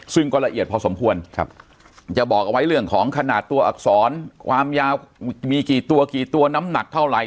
ซึ่งก็ละเอียดพอสมควรครับจะบอกเอาไว้เรื่องของขนาดตัวอักษรความยาวมีกี่ตัวกี่ตัวน้ำหนักเท่าไหร่